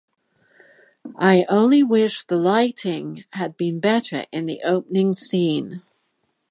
I only wish the lighting had been better in the opening scene.